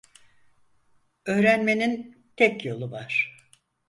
Öğrenmenin tek yolu var.